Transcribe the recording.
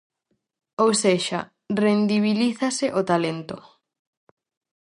Ou sexa, rendibilízase o talento.